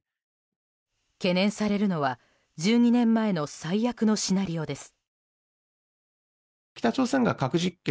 懸念されるのは、１２年前の最悪のシナリオです。